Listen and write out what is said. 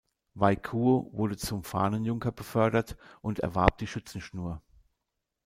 Wei-kuo wurde zum Fahnenjunker befördert und erwarb die Schützenschnur.